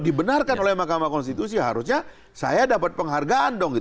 dibenarkan oleh mahkamah konstitusi harusnya saya dapat penghargaan dong